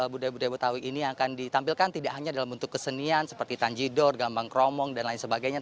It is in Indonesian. budaya budaya betawi ini yang akan ditampilkan tidak hanya dalam bentuk kesenian seperti tanjidor gambang kromong dan lain sebagainya